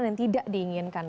dan tidak diinginkan